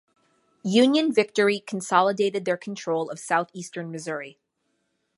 Union victory consolidated their control of southeastern Missouri.